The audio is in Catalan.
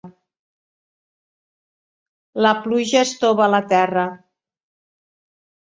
La pluja estova la terra.